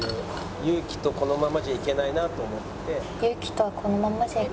ユウキとはこのままじゃいけないなって思ってて。